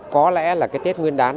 có lẽ là cái tết nguyên đán